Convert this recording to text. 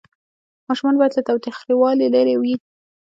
ماشومان باید له تاوتریخوالي لرې وي.